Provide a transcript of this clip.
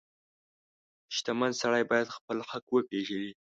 • شتمن سړی باید خپل حق وپیژني.